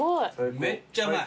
めっちゃうまい。